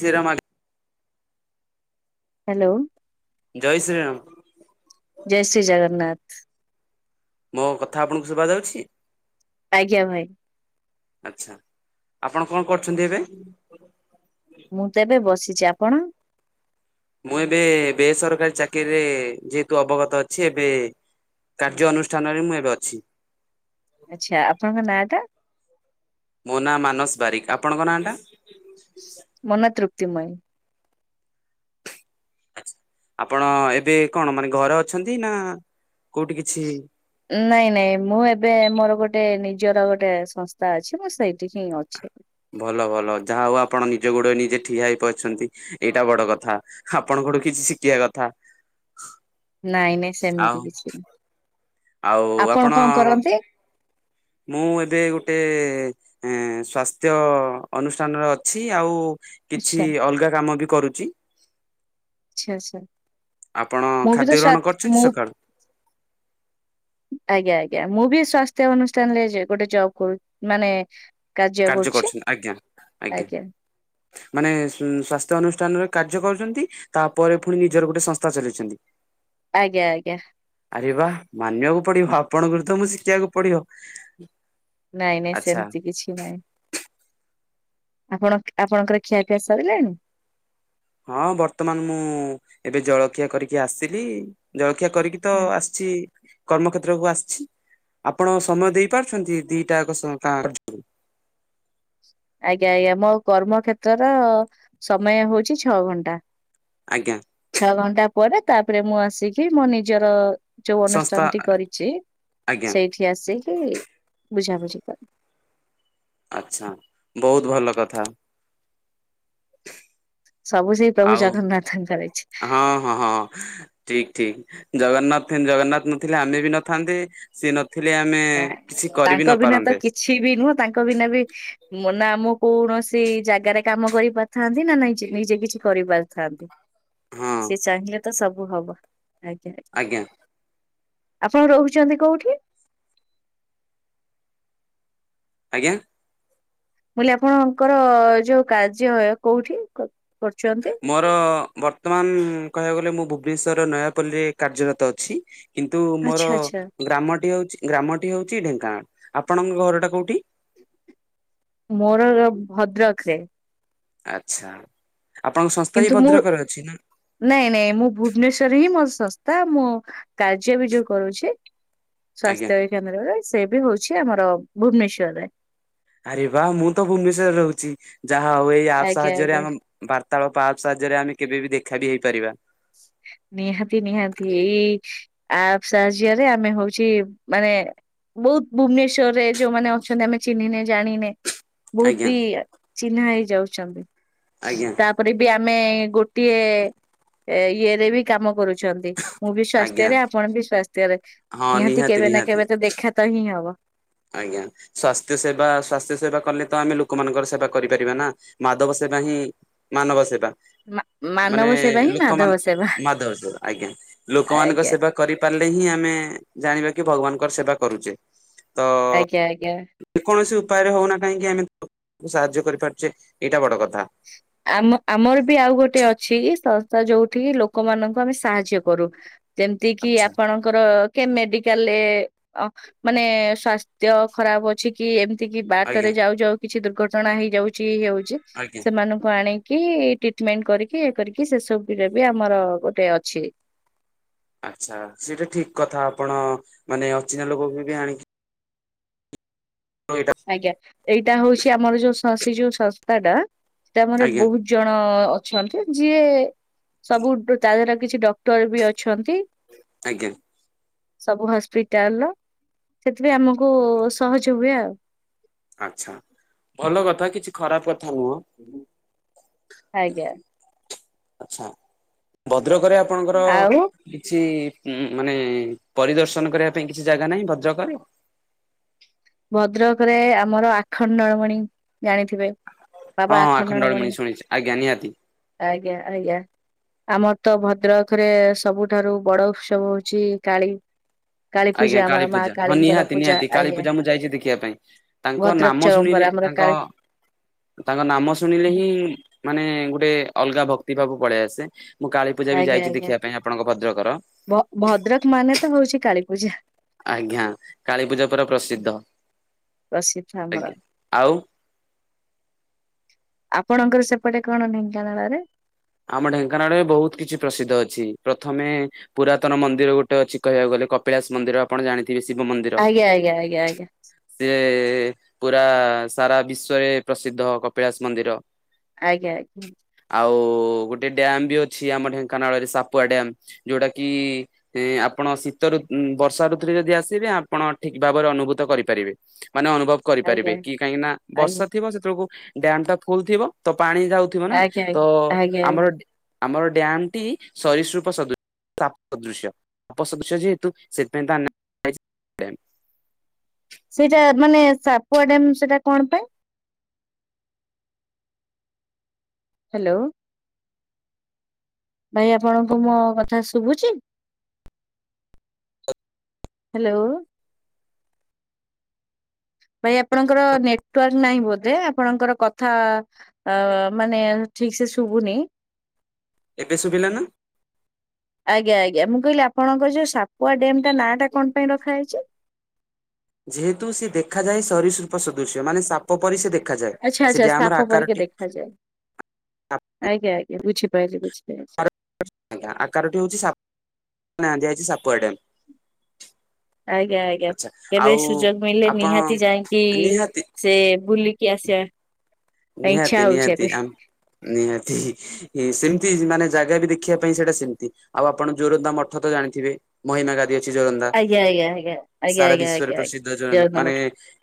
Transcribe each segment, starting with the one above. ସେରମା hello. ଜୟ ଶ୍ରୀରାମ। ଜୟ ଶ୍ରୀ ଜଗନ୍ନାଥ। ମୋ କଥା ଆପଣଙ୍କୁ ଶୁଭା ଯାଉଚି? ଆଜ୍ଞା ଭାଇ। ଆଚ୍ଛା ଆପଣ କଣ କରୁଚନ୍ତି ଏବେ? ମୁଁ ତେବେ ବସିଚି, ଆପଣ? ମୁଁ ଏବେ ବେସରକାରୀ ଚାକିରିରେ ଯେହେତୁ ଅବଗତ ଅଛି ଏବେ କାର୍ଯ୍ୟ ଅନୁଷ୍ଠାନରେ ମୁଁ ଏବେ ଅଛି। ଆଚଛା ଆପଣଙ୍କ ନାଁ ଟା? ମୋ ନାଁ ମାନସ ବାରିକ, ଆପଣଙ୍କ ନାଁଟା? ମୋ ନାଁ ତୃପ୍ତି ମଇ। ଆପଣ ଏବେ କଣ ମାନେ ଘରେ ଅଛନ୍ତି ନା କୋଉଠି କିଛି ନାଇଁ ନାଇଁ ମୁଁ ଏବେ ମୋର ଗୋଟେ ନିଜର ଗୋଟେ ସଂସ୍ଥା ଅଛି ମୁଁ ସେଇଠି ହିଁ ଅଛି। ଭଲ ଭଲ ଯାହା ହୋଉ ଆପଣ ନିଜ ଗୋଡ ନିଜେ ଠିଆ ହେଇ ପାରୁଚନ୍ତି। ଏଇଟା ବଡ କଥା ଆପଣଙ୍କଠୁ କିଛି ଶିଖିବା କଥା। ନାଇଁ ନାଇଁ ଆଉ ସେମିତି କିଛି ଆପଣ କଣ କରନ୍ତି? ମୁଁ ଏବେ ଗୋଟେ ସ୍ଵସ୍ଥ୍ୟ ଅନୁଷ୍ଠାନରେ ଅଛି ଆଉ କିଛି ଆଚ୍ଛା ଅଲଗା କାମ ବି କରୁଚି। ଆଚ୍ଛା। ଆପଣ ମୁଁ ବି ତ ଖାଦ୍ୟ ସ୍ୱା ଗ୍ରହଣ କରିଚନ୍ତି ମୁଁ ସକାଳୁ? ଆଜ୍ଞା ଆଜ୍ଞା ମୁଁ ବି ସ୍ଵାସ୍ଥ୍ୟ ଅନୁଷ୍ଠାନରେ ଗୋଟେ ଜବ୍ କରୁ ମାନେ କାର୍ଯ୍ୟ କରୁଚି, କରୁଛନ୍ତି ଆଜ୍ଞା। ଆଜ୍ଞା। ମାନେ ସ୍ଵାସ୍ଥ୍ୟ ଅନୁଷ୍ଠାନରେ କାର୍ଯ୍ୟ କରୁଚନ୍ତି ତାପରେ ପୁଣି ନିଜର ଗୋଟେ ସଂସ୍ଥା ଚାଲେଇନ୍ତି? ଆଜ୍ଞା ଆଜ୍ଞା। ଆରେ ବା ମାନିବାକୁ ପଡିବ ଆପଣଙ୍କର ତ ମୁଁ ଶିଖିବାକୁ ପଡିବ। ନାଇଁ ନାଇଁ ଆଚ୍ଛା ସେମିତି କିଛି ନାଇଁ। ଆପଣ ଆପଣଙ୍କର ଖିଆପିଆ ସରିଲାଣି? ହଁ ବର୍ତ୍ତମାନ ମୁଁ ଏବେ ଜଳଖିଆ କରିକି ଆସିଲି। ଜଳଖିଆ କରିକି ତ ଆସିଚି। କର୍ମକ୍ଷେତ୍ରକୁ ଆସିଚି ଆପଣ ସମୟ ଦେଇପାରୁଛନ୍ତି ଦିଇଟା ସ ଆଜ୍ଞା ଆଜ୍ଞା ମୋ କର୍ମକ୍ଷେତ୍ରର ସମୟ ହୋଉଚି ଛଅ ଘଣ୍ଟା। ଆଜ୍ଞା। ଛଅ ଘଣ୍ଟା ପରେ ତାପରେ ମୁଁ ଆସିକି ମୋ ନିଜର ଯୋଉ ସଂସ୍ଥା ଅନୁଷ୍ଠାନ ଟି କରିଚି ଆଜ୍ଞା ସେଇଠି ଆସିକି ବୁଝାବୁଝି କରି। ଆଚଛା ବୋହୁତ ଭଲ କଥା। ସବୁ ସେଇ ପ୍ରଭୁ ଆଉ ଜଗନ୍ନାଥଙ୍କର ଅଛି ହଁ ହଁ ହଁ। ଠିକ ଠିକ ଜଗନ୍ନାଥ ଜଗନ୍ନାଥ ନଥିଲେ ଆମେ ବି ନଥାନ୍ତେ, ସିଏ ଥିଲେ ଆମେ ନାଇଁ ନାଇଁ କିଛି ତାଙ୍କ କରିବି ବିନା ତ ନପାରନ୍ତେ। କିଛି ବି ନୁହଁ ତାଙ୍କ ବିନା ବି ମ ନା ମୁଁ କୌଣସି ଜାଗାରେ କାମ କରିପାର ଥାନ୍ତି ନାଇ ନିଜେ କିଛି କରିପାରିଥାନ୍ତି। ହଁ ସି ଚାହିଁଲେ ତ ସବୁ ହବ ଆଜ୍ଞାା। ଆଜ୍ଞା। ଆପଣ ରହୁଛନ୍ତି କୋଉଠି? ଆଜ୍ଞା। ମୁଁ କହିଲି ଆପଣଙ୍କର ଯୋଉ କାର୍ଯ୍ୟ କୋଉଠି କରୁଛନ୍ତି? ମୋର ବର୍ତ୍ତମାନ କହିବାକୁ ଗଲେ ମୁଁ ଭୁବନେଶ୍ୱର ନୟାପଲ୍ଲୀରେ କାର୍ଯ୍ୟରତ ଅଛି। କିନ୍ତୁ ମୋର ଆଚ୍ଛା ଆଚ୍ଛା ଗ୍ରାମଟି ହୋଉଚି ଗ୍ରାମଟି ହୋଉଚି ଢେଙ୍କାନାଳ, ଆପଣଙ୍କ ଘରଟା କୋଉଠି? ମୋର ଭଦ୍ରକ ରେ। ଆଚ୍ଛା ଆପଣଙ୍କ ସଂସ୍ଥା କିନ୍ତୁ ବି ମୁଁ ଭଦ୍ରକରେ ଅଛି ନା? ନାଇଁ ନାଇଁ ମୁଁ ଭୁବନେଶ୍ୱର ହିଁ ମୋର ସଂସ୍ଥା ମୁଁ କାର୍ଯ୍ୟ ବି ଯୋଉ କରୁଛି। ଆଜ୍ଞା ସ୍ଵାସ୍ଥ୍ୟ କେନ୍ଦ୍ରରେ ସେ ବି ହଉଛି। ଆମର ଭୁବନେଶ୍ଵରରେ ଆରେ ବା ମୁଁ ତ ଭୁବନେଶ୍ୱର ରେ ରହୁଛି ଯାହା ହଉ ଏଇ ଆପ ଆଜ୍ଞା ସାହାଯ୍ୟରେ ଆଜ୍ଞା ଆମ ବାର୍ତ୍ତାଳପାହା ସାହାଯ୍ୟରେ ଆମେ କେବେ ବିି ଦେଖା ବି ହେଇପାରିବା। ନିହାତି ନିହାତି ଏଇ ଆ ସାହାଯ୍ୟରେ ଆମେ ହଉଛି ମାନେ। ବହୁତ ଭୁବନେଶ୍ୱର ରେ ଯୋଉମାନେ ଅଛନ୍ତି। ଆମେ ଚିହ୍ନିନେ ଜାଣିନେ ବହୁତ ଆଜ୍ଞା ବି ଚିହ୍ନା ହେଇ ଯାଉଛନ୍ତି ଆଜ୍ଞା ତା ପରେ ବି ଆମେ ଗୋଟିଏ। ଏ ଇଏ ରେ ବି କାମ କରୁଛନ୍ତି। ମୁଁ ବି ଆଜ୍ଞା ସ୍ଵାସ୍ଥ୍ୟରେ ଆପଣ ବି ସ୍ଵାସ୍ଥ୍ୟରେ। ହଁ ନିହାତି କେବେ ନା ନିହାତି କେବେ ତ ଦେଖା ତ ହିଁ ହବ। ଆଜ୍ଞା ସ୍ଵାସ୍ଥ୍ୟ ସେବା ସ୍ଵାସ୍ଥ୍ୟ ସେବା କଲେ ତ ଆମେ ଲୋକମାନଙ୍କର ସେବା କରିପାରିବା ନା। ମାଧବ ସେବା ହିଁ ମାନବ ସେବା। ମା ମାନେ ମାନବ ସେବା ହିଁ ମାଧବ ଲୋକମାନ ସେବା ମାଧ ଆଜ୍ଞା ଲୋକମାନଙ୍କ ଆଜ୍ଞା ସେବା। କରିପାରିଲେ ହିଁ ଆମେ ଜାଣିବା କି ଭଗବାନଙ୍କର ସେବା କରୁଛେ। ତ ଆଜ୍ଞା ଆଜ୍ଞା ଯେ କୌଣସି ଉପାୟରେ ହଉନା କାହିଁକି ଆମେ ସାହାଯ୍ୟ କରିପାରୁଛେ ଏଇଟା ବଡ କଥା। ଆମ ଆମର ବି ଆଉ ଗୋଟେ ଅଛି। ସଂସ୍ଥା ଯୋଉଠ କିି ଲୋକମାନାନଙ୍କୁ ଆମେ ସାହାଯ୍ୟ କରୁ। ଯେମିତି କିି ଆଚ୍ଛା ଆପଣ? ର କେ ମେଡିକାଲରେ ମାନେ ସାସ୍ଥ୍ୟ ଖରାପ ଅଛି। କି ଏମିତି କି ବାଟରେ ଆଜ୍ଞା ଯାଉ ଯାଉ କିଛି ଦୁର୍ଘଟଣା ହେଇଯାଉଛି ହଉଛି। ଆଜ୍ଞା ମାନଙ୍କୁ ଆଣିକି ଟ୍ରିଟମେଣ୍ଟ କରିକି ଇଏ କରିକି ସେସବୁରେ ବି ଆମର ଗୋଟେ ଅଛି। ଆଚ୍ଛା ସେଟା ଠିକ କଥା ଆପଣ ମାନେ ଅଚିହ୍ନା ଲୋକ ବି ବି ଆଣିକି। ତଁ ଏଇଟା।। ଆଜ୍ଞା ଏଇଟା ହଉଛି ଆମର ଯୋଉ ସେଇ ଯୋଉ ସଂସ୍ଥାଟା ସେଟା ଆମର ଆଜ୍ଞା ବହୁତ। ଜଣ ଅଛନ୍ତି ଯିଏ ସବୁ ତା ଦେହର କିଛି ଡକ୍ଟର ବି ଅଛନ୍ତି। ଆଜ୍ଞା ସବୁ ହସ୍ପିଟାଲ ର ସେଥିପାଇଁ ଆମକୁ ସହଜ ହୁଏ ଆଉ। ଆଛା ଭଲ କଥା କିଛି ଖରାପ କଥା ନୁହଁ। ଆଜ୍ଞା ଆଛା ଭଦ୍ରକରେ ଆପଣଙ୍କର ଆଉ କିଛି ଉ ମାନେ ପରିଦର୍ଶନ କରିବା ପାଇଁ କିଛି ଜାଗା ନାହିଁ ଭଦ୍ରକରେ! ଭଦ୍ରକରେ ଆମର ଆଖଣ୍ଡଳମଣି ଜାଣିଥିବେ। ବାବା ହଁ ହଁ ଆଖଣ୍ଡେଳ ଆଖଣ୍ଡଳମଣି ମିଣିଶ ଶୁଣିଛି ଆଜ୍ଞା ନିହାତି। ଆଜ୍ଞା ଆଜ୍ଞା ଆମର ତ ଭଦ୍ରକ ରେ ସବୁଠାରୁ ବଡ ଉତ୍ସବ ହଉଛି। କାଳୀ କାଳୀ ପୂଜା ଆଜ୍ଞା ଆମର ମା କାଳୀପୂଜା ହଁ କାଳୀଙ୍କର ନିହାତି ପୂଜା ନିହାତି ଆଜ୍ଞା କାଳୀପୂଜା ମୁଁ ଯାଇଛି ଦେଖିବା ପାଇଁ। ତାଙ୍କ ଭଦ୍ରକ ନାମ ଚରମ୍ପରା ଶୁଣିଲେ ଆମର ତାଙ୍କ କାଳୀ ତାଙ୍କ ନାମ ଶୁଣିଲେ ହିଁ ମାନେ ଗୋଟେ ଅଲଗା ଭକ୍ତି ଭାବ ପଳେଇଆସେ। ମୁଁ କାଳୀପୂଜା ବି ଆଜ୍ଞା ଯାଇଛି ଆଜ୍ଞା ଦେଖିବା ପାଇଁ ଆପଣଙ୍କ ଭଦ୍ରକର। ଭଦ୍ରକ ମାନେ ତ ହଉଛି କାଳୀପୂଜା। ଆଜ୍ଞା କାଳୀପୂଜା ପୁରା ପ୍ରସିଦ୍ଧ ପ୍ରସିଦ୍ଧ ଆମର ଆଜ୍ଞା ଆଉ। ଆପଣଙ୍କର ସେପଟେ କ'ଣ ଢେଙ୍କାନାଳରେ? ଆମ ଢେଙ୍କାନାଳରେ ବହୁତ କିଛି ପ୍ରସିଦ୍ଧ ଅଛି। ପ୍ରଥମେ ପୁରାତନ ମନ୍ଦିର ଗୋଟେ ଅଛି କହିବାକୁ ଗଲେ କପିଳାସ ମନ୍ଦିର। ଆପଣ ଜାଣିଥିବେ ଶିବ ମନ୍ଦିର। ଆଜ୍ଞା ଆଜ୍ଞା ଆଜ୍ଞା ଆଜ୍ଞା ସିଏ ପୁରା ସାରା ବିଶ୍ଵରେ ପ୍ରସିଦ୍ଧ କପିଳାସ ମନ୍ଦିର। ଆଜ୍ଞା ଆଜ୍ଞା ଆଉ ଗୋଟେ ଦ୍ୟାମ ବୁଅଛି। ଆମର ଢେଙ୍କାନାଳରେ ସାପୁଆ ଡ୍ୟାମ ଯୋଉଟା ଆପଣ ଶୀତଋତ ବର୍ଷା ଋତୁରେ ଯଦି ଆସିବେ ଆପଣ ଠିକ ଭାବରେ ଅନୁଭୂତ କରିପାରିବେ। ମାନେ ଅନୁଭବ ଆଜ୍ଞା ଆଜ୍ଞା ଆଜ୍ଞା କରିପାରିବେ କି କାହିଁକି ନା ବର୍ଷା ଥିବ ସେତବେଳକୁ ଡ୍ୟାମ ଟା ଫୁଲ ଥିବ ତ ପାଣି ଯାଉ ଥିବ ନା ଆଜ୍ଞା ତ ଆଜ୍ଞା। ଆଜ୍ଞା ଆଜ୍ଞା ଆମର ଡ୍ୟାମ ଟି ସରିସୃପ ସଦୃ ସାପ ସଦୃଶ୍ୟ। ସାପ ସଦୃଶ୍ୟ ଯେହେତୁ ସେଥିପାଇଁ ତା ନାଁ ହେଇଚି ଡ୍ୟାମ। ସେଇଟା ମାନେ ସାପ ଡ୍ୟାମ ସେଟା କଣ ପାଇଁ? ହ୍ୟାଲୋ। ଭାଇ ଆପଣଙ୍କୁ ମୋ କଥା ଶୁଭୁଛି? ହ୍ୟାଲୋ। ଭାଇ ଆପଣଙ୍କର ନେଟୱାର୍କ ନାହିଁ ବୋଧେ ଆପଣଙ୍କର କଥା ଅ ମାନେ ଠିକ ସେ ଶୁଭୁନି। ଏବେ ଶୁଭିଲା ନା? ଆଜ୍ଞା ଆଜ୍ଞା ମୁଁ କହିଲି ଆପଣଙ୍କ ଯୋଉ ସାପୁଆ ଡ୍ୟାମ୍ ଟା ନାଁ ଟା କଣ ପାଇଁ ରଖା ହେଇଛି? ଯେହେତୁ ସେ ଦେଖାଯାଏ ସରୀସୃପ ସଦୃଶ୍ୟ ମାନେ ସା ପ ପରି ସେ ଦେଖାଯାଏ ଆଚ୍ଛା ଆଚ୍ଛା ସେ ସ୍ଥାପ ଡ୍ୟାମର ପରିକା ଆକାରଟି ଦେଖାଯାଏ। ଆଜ୍ଞା ଆଜ୍ଞା ବୁଝି ପାଇଲି ବୁଝିପାଇଲି। [unintelligible] ଆଜ୍ଞା ଆକାରଟି ହଉଛି ସା ଦିଆଯାଇଛି ସାପୁଆ ଡ୍ୟାମ। ଆଜ୍ଞା ଆଜ୍ଞା ଆଚ୍ଛା କେବେ ଆଉ ସୁଯୋଗ ମିଳିଲେ ଆପଣ ନିହାତି ଯାଇଁକି ନିହାତି ସେ ବୁଲିକି ଆସିବା ପାଇଁ ନିହାତି ଇଚ୍ଛା ହଉଛି ନିହାତି ଏବେ। ଆମ ନିହାତି ସେମିତି ମାନେ ଜାଗା ବି ଦେଖିବା ପାଇଁ ସେଇଟା ସେମିତି ଆଉ ଆପଣ ଯୋରନ୍ଦା ମଠ ତ ଜାଣିଥିବେ? ମହିମା ଗାଦି ଅଛି ଯୋରନ୍ଦା ଆଜ୍ଞା ଆଜ୍ଞା ଆଜ୍ଞା ଆଜ୍ଞା ସାରା ଆଜ୍ଞା ବିଶ୍ଵରେ ଆଜ୍ଞା ଆଜ୍ଞା ପ୍ରସିଦ୍ଧ ଯୋରନ୍ଦା ଜୋରନ୍ଦା ମାନେ ମଠ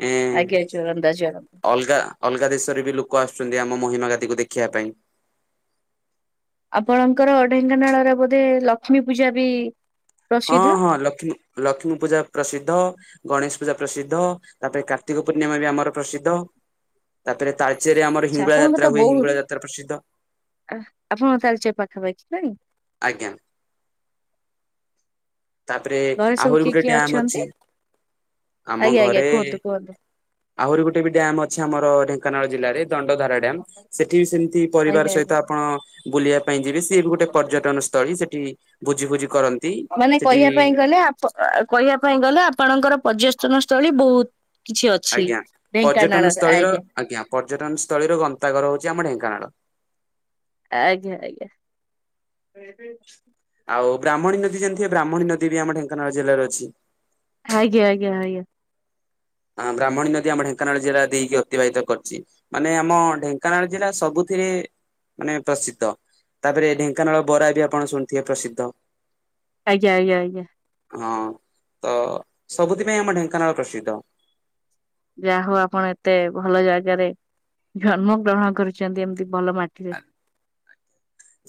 ଏ ଆଜ୍ଞା ଜୋରନ୍ଦା ଜୋରନ୍ଦା। ଅଲଗା ଅଲଗା ଦେଶରେ ବି ଲୋକ ଆସୁଛନ୍ତି ଆମ ମହିମା ଗାଦୀକୁ ଦେଖିବା ପାଇଁ। ଆପଣଙ୍କର ଢେଙ୍କାନାଳରେ ବୋଧେ ଲକ୍ଷ୍ମୀ ପୂଜା ବି ହଁ ପ୍ରସିଦ୍ଧ? ହଁ ଲକ୍ଷ୍ମୀ ଲକ୍ଷ୍ମୀ ପୂଜା ପ୍ରସିଦ୍ଧ। ଗଣେଶ ପୂଜା ପ୍ରସିଦ୍ଧ ତାପରେ କାର୍ତ୍ତିକ ପୂର୍ଣ୍ଣିମା ବି ଆମର ପ୍ରସିଦ୍ଧ। ତାପରେ ତାଳଚେରରେ ଆମର ଆଚ୍ଛା ହିଙ୍ଗୁଳା ଆପଣଙ୍କ ଯାତ୍ରା ତ ହୁଏ ବହୁତ ହିଙ୍ଗୁଳା ଯାତ୍ରା ପ୍ରସିଦ୍ଧ। ଆ ଆପଣ ତାଳଚେର ପାଖାପଖି ନାଇଁ? ଆଜ୍ଞା। ତାପରେ ଘରେ ସବୁ ଆହୁରି କିଏ ଗୋଟେ କିଏ ଡ୍ୟାମ୍ ଅଛନ୍ତି? ଅଛି ଆମ ଆଜ୍ଞା ଆଜ୍ଞା ଘରେ କୁହନ୍ତୁ କୁହନ୍ତୁ ଆହୁରି ଗୋଟେ ବି ଡ୍ୟାାମ ଅଛି ଆମର ଢେଙ୍କାନାଳ ଜିଲ୍ଲାରେ ଦଣ୍ଡ ଧାରା ସେଠି ବି ସେମତି ଆଜ୍ଞା ପରିବାର ଆଜ୍ଞା। ସହିତ ଆପଣ ବୁଲିବା ପାଇଁ ଯିବେ ସିଏ ବି ଗୋଟେ ପର୍ଯ୍ୟଟନ ସ୍ଥଳୀ ସେଠି ଭୋଜି ଫୋଜୀ କରନ୍ତି। ମାନେ ସେଠି କହିବା ପାଇଁ ଗଲେ କହିବା ପାଇଁ ଗଲେ ଆପଣଙ୍କର ପର୍ଯ୍ୟଟନ ସ୍ଥଳୀ ବହୁତ କିଛି ଅଛି ଆଜ୍ଞା ଢେଙ୍କାନାଳ ପର୍ଯ୍ୟଟନ ରେ ସ୍ଥଳୀର ଆଜ୍ଞା। ଆଜ୍ଞା ପର୍ଯ୍ୟଟନ ସ୍ଥଳୀ ର ଗନ୍ତାଘର ହଉଛି ଆମ ଢେଙ୍କାନାଳ। ଆଜ୍ଞା ଆଜ୍ଞା। ଆଉ ବ୍ରାହ୍ମଣୀ ନଦୀ ଜାଣିଥିବେ ବ୍ରାହ୍ମଣୀ ନଦୀ ବି ଆମ ଢୋଙ୍କାନାଳ ଜିଲ୍ଲା ରେ ଅଛି। ଆଜ୍ଞ ଆଜ୍ଞା ଆଜ୍ଞା। ହଁ ବ୍ରାହ୍ମଣୀ ନଦୀ ଆମ ଢେଙ୍କାନାଳ ଜିଲ୍ଲା ଦେଇକି ଅତିବାହିତ କରିଛି। ମାନେ ଆମ ଢେଙ୍କାନାଳ ଜିଲ୍ଲା ସବୁଥିରେ ମାନେ ପ୍ରସିଦ୍ଧ ତାପରେ ଢେଙ୍କାନାଳ ବରା ବି ଆପଣ ଶୁଣିଥିବେ ପ୍ରସିଦ୍ଧ। ଆଜ୍ଞା ଆଜ୍ଞା ଆଜ୍ଞା। ହଁ ତ ସବୁଥି ପାଇଁ ଆମ ଢେଙ୍କାନାଳ ପ୍ରସିଦ୍ଧ। ଯାହା ହଉ ଆପଣ ଏତେ ଭଲ ଜାଗାରେ ଜନ୍ମ ଗ୍ରହଣ କରିଛନ୍ତି ଏମତି ଭଲ ମାଟି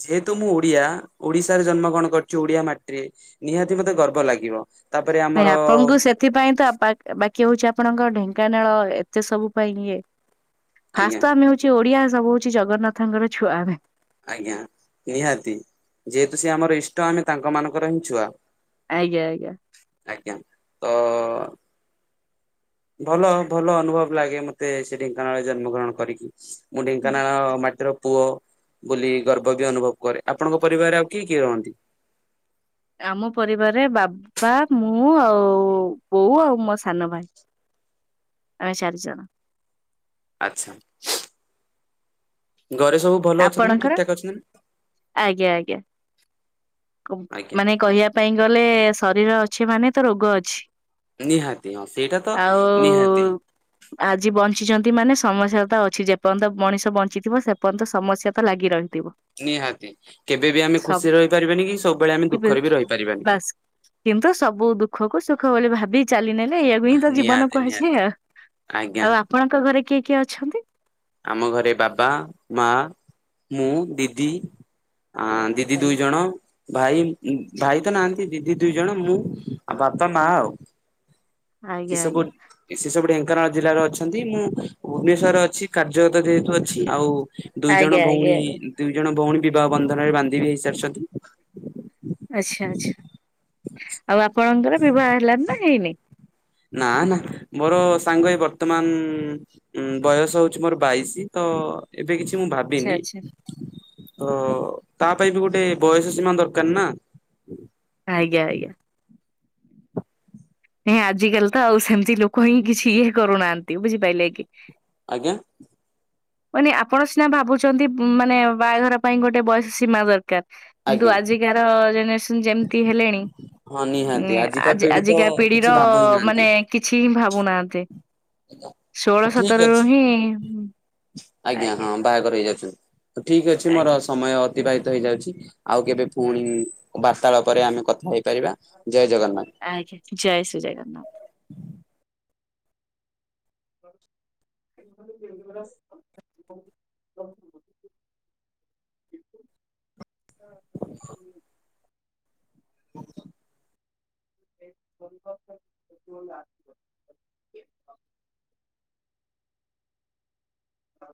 ଯେହେତୁ ମୁଁ ଓଡିଆ ଓଡିଶାରେ ଜନ୍ମ ଗ୍ରଣ କରିଛି ଓଡିଆ ମାଟିରେ ନିହାତି ମତେ ଗର୍ବ ଲାଗିବ। ତାପରେ ନାଇଁ ଆମର ଆପଣଙ୍କୁ ସେ ଏଥିପାଇଁ ତ ବାକି ହଉଛି ଆପଣଙ୍କ ଢେଙ୍କାନାଳ ଏତେ ସବୁ ପାଇଁ ଇଏ ଫାଷ୍ଟ ଆଜ୍ଞା ତ ଆମେ ହଉଚି ଓଡିଆ, ସବୁ ହଉଛି ଜଗନ୍ନାଥଙ୍କର ଛୁଆ ଆମେ। ଆଜ୍ଞା, ନିହାତି। ଯେହେତୁ ସିଏ ଆମର ଇଷ୍ଟ, ଆମେ ତାଙ୍କ ମାନଙ୍କର ହିଁ ଛୁଆ। ଆଜ୍ଞା ଆଜ୍ଞା। ଆଜ୍ଞା। ତ ଭଲ ଭଲ ଅନୁଭବ ଲାଗେ ମତେ, ସେ ଢେଙ୍କାନାଳରେ ଜନ୍ମଗ୍ରହଣ କରିକି। ମୁଁ ହୁଁ। ଢେଙ୍କାନାଳ ମାଟିର ପୁଅ ବୋଲି ଗର୍ବ ବି ଅନୁଭବ କରେ। ଆପଣଙ୍କ ପରିବାରରେ ଆଉ କିଏ କିଏ ରହନ୍ତି? ଆମ ପରିବାରରେ ବାବା, ମୁଁ ଆଉ ବୋଉ ଆଉ ମୋ ସାନ ଭାଇ। ଆମେ ଚାରିଜଣ। ଆଚ୍ଛା। ଘରେ ସବୁ ଭଲ ଅଛନ୍ତି ନା, ଆପଣଙ୍କର? ଠିକ ଠାକ ଅଛନ୍ତି ନା? କବ୍ ଆଜ୍ଞା ମାନେ କହିବା ପାଇଁ ଗଲେ ଶରୀର ଅଛି ମାନେ ତ ରୋଗ ଅଛି। ନିହାତି, ହଁ ସେଇଟା ତ ଆଉ ନିହାତି। ଆଜି ବଞ୍ଚିଛନ୍ତି ମାନେ ସମସ୍ୟା ତ ଅଛି, ଯେପର୍ଯ୍ୟନ୍ତ ମଣିଷ ବଞ୍ଚିଥିବ ସେ ସେପର୍ଯ୍ୟନ୍ତ ସମସ୍ୟା ତ ଲାଗି ରହିଥିବ। ନିହାତି। କେବେ ବି ଆମେ ସବୁ ଖୁସିରେ ରହିପାରିବାନି କି, ସବୁବେଳେ ଆମେ ଦୁଃଖରେ ବି ରହିପାରିବାନି। ବାସ୍ କିନ୍ତୁ ସବୁ ଦୁଃଖକୁ ସୁଖ ବୋଲି ଭାବି ଚାଲି ନେଲେ, ଏୟାକୁ ହିଁ ତ ଜୀବନ ନିହାତି ନିହାତି। କୁହାଯାଏ ଆଉ। ଆଜ୍ଞା ଆଉ ଆପଣଙ୍କ ଘରେ କିଏ କିଏ ଅଛନ୍ତି? ଆମ ଘରେ ବାବା, ମା, ମୁଁ, ଦିଦି, ଆଁ ଦିଦି ଆଜ୍ଞା ଦୁଇଜଣ, ଭାଇ ଉମ୍ ଭାଇ ତ ନାହାଁନ୍ତି ଦିଦି ଦୁଇଜଣ, ମୁଁ ଆଉ ବାପା, ମା ଆଉ। ଆଜ୍ଞା। କି ଆଜ୍ଞା ସବୁ ଇସି ସବୁ ଢେଙ୍କାନାଳ ଜିଲ୍ଲାରେ ଅଛନ୍ତି, ମୁଁ ଭୁବନେଶ୍ୱରରେ ଅଛି କାର୍ଯ୍ୟରତ ଯେହେତୁ ଅଛି, ଆଉ ଦୁଇଜଣ ଆଜ୍ଞା ଆଜ୍ଞା। ଭଉଣୀ ଆଜ୍ଞା। ଦୁଇଜଣ ଭଉଣୀ ବିବାହ ବନ୍ଧନରେ ବାନ୍ଧି ବି ହେଇସାରିଛନ୍ତି। ଆଚ୍ଛା ଆଚ୍ଛା। ଆଉ ଆପଣଙ୍କର ବିବାହ ହେଲାଣି ନା ହେଇନି? ନା, ନା। ମୋର ସାଙ୍ଗ ଏଇ ବର୍ତ୍ତମାନ ଉମ୍ ବୟସ ହଉଛି ମୋର ବାଇଶି, ତ ଏବେ କିଛି ମୁଁ ଆଚ୍ଛା ଭାବିନି ଆଚ୍ଛା। ତ ତା ପାଇଁ ବି ଗୋଟେ ବୟସ ସୀମା ଦରକାର ନା। ଆଜ୍ଞା ଆଜ୍ଞା। ନାଇଁ ଆଜିକାଲି ତ ଆଉ ସେମତି ଲୋକ ହିଁ କିଛି ଇଏ କରୁନାହାଁନ୍ତି। ବୁଝିପାଇଲେ କି? ଆଜ୍ଞା? ମାନେ ଆପଣ ସିନା ଭାବୁଛନ୍ତି ମାନେ ବାହାଘର ପାଇଁ ଗୋଟେ ବୟସ ସୀମା ଦରକାର କିନ୍ତୁ ଆଜ୍ଞା ଆଜିକାର ଜେନେରେସନ ଯେମତି ହେଲେଣି, ହଁ ନିହାତି ମାନେ ଆଜିକା ଆଜି ପିଢି ତ ଆଜିକା କିଛି ଲିର ଭାବୁ ହିଁ ନାହାନ୍ତି ମାନେ କିଛି ହିଁ ଭାବୁନାହାଁନ୍ତି। ଷୋହଳ ଠିକ ଅଛି। ସତରରୁ ହିଁ ଆଜ୍ଞା। ହଁ, ବାହାଘର ହେଇଯାଉଛନ୍ତି। ତ ଠିକ ଅଛି ମୋର ଆଜ୍ଞା ସମୟ ଅତିବାହିତ ହେଇଯାଉଛି। ଆଉ କେବେ ପୁଣି ବାର୍ତ୍ତାଳାପରେ ଆମେ କଥା ହେଇପାରିବା। ଜୟ ଜଗନ୍ନାଥ। ଆଜ୍ଞା, ଜୟ ଶ୍ରୀ ଜଗନ୍ନାଥ। [unintelligible] [inaudible] ହ